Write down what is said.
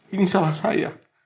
ini salah saya